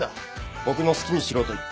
僕の好きにしろと言った。